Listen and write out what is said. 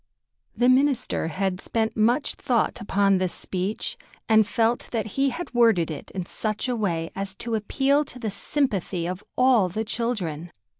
The minister had spent much thought upon this speech, and felt that he had worded it in such a way as to appeal to the sympathy of all the children.